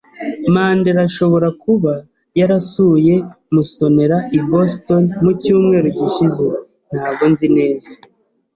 Mandera ashobora kuba yarasuye Musonera i Boston mu cyumweru gishize. Ntabwo nzi neza.